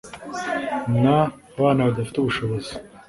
N abana badafite ubushobozi